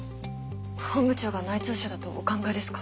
本部長が内通者だとお考えですか？